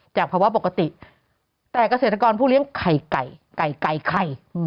ภาวะปกติแต่เกษตรกรผู้เลี้ยงไข่ไก่ไก่ไข่